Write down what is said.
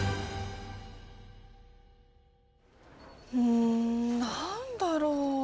ん何だろう？